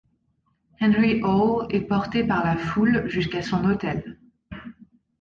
Henry Hall est porté par la foule jusqu'à son hôtel.